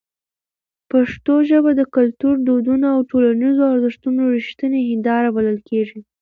پښتو زموږ د کلتور، دودونو او ټولنیزو ارزښتونو رښتینې هنداره بلل کېږي.